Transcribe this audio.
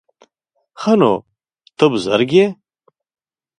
_ښه نو، ته بزرګ يې؟